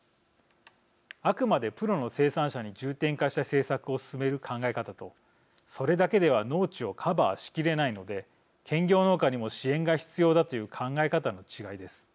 あくまでプロの生産者に重点化した政策を進める考え方とそれだけでは農地をカバーしきれないので兼業農家にも支援が必要だという考え方の違いです。